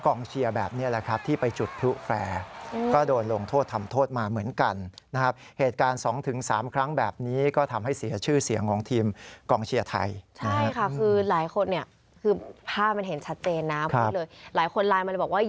กลองเชียร์แบบนี้แหละครับที่ไปจุดพลุแฟร์ก็โดนโลงโทษทำโทษมาเหมือนกันนะครับ